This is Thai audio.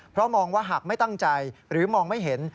เพราะมองว่าหากไม่ตั้งใจหรือมองไม่เห็น